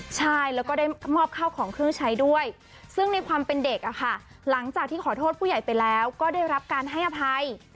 ใช่แล้วก็ได้มอบข้าวของเครื่องใช้ด้วยซึ่งในความเป็นเด็กหลังจากที่ขอโทษผู้ใหญ่ไปแล้วก็ได้รับการให้อภัย